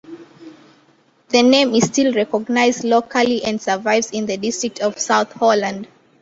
The name is still recognised locally and survives in the district of South Holland.